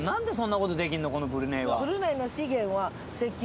このブルネイは。